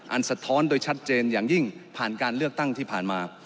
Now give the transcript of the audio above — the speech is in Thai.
สะท้อนโดยชัดเจนอย่างยิ่งผ่านการเลือกตั้งที่ผ่านมา